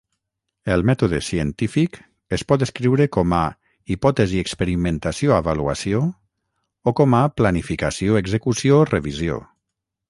El mètode científic es pot escriure com a "hipòtesi-experimentació-avaluació" o com a "planificació-execució-revisió".